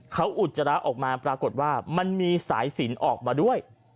เขาอุจจาระออกมาปรากฏว่ามันมีสายสินออกมาด้วย